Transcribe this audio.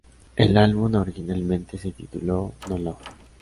El álbum originalmente se tituló "No Love".